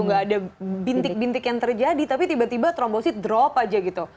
nggak ada bintik bintik yang terjadi tapi tiba tiba trombosit drop aja gitu